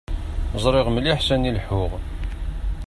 Ẓriɣ mliḥ sani leḥḥuɣ.